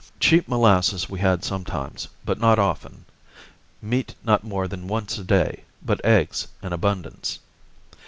Cheap molasses we had sometimes, but not often, meat not more than once a day, but eggs in abundance.